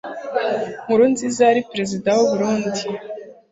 nkurunziza yari perezida w'uburundi